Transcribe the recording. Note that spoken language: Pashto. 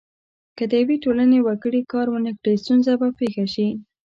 که د یوې ټولنې وګړي کار ونه کړي ستونزه به پیښه شي.